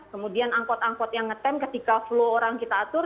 kemudian angkot angkot yang ngetem ketika flow orang kita atur